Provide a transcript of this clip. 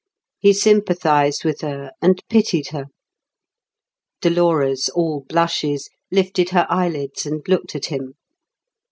He sympathised with her and pitied her. Dolores, all blushes, lifted her eyelids and looked at him.